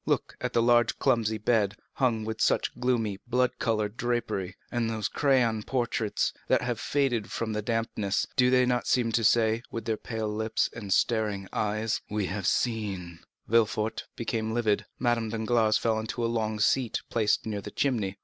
"Look at that large clumsy bed, hung with such gloomy, blood colored drapery! And those two crayon portraits, that have faded from the dampness; do they not seem to say, with their pale lips and staring eyes, 'We have seen'?" Villefort became livid; Madame Danglars fell into a long seat placed near the chimney.